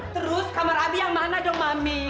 terus kamar abi yang mana dong mami